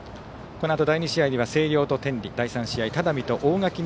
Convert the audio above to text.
このあと第２試合には星稜と天理第３試合只見と大垣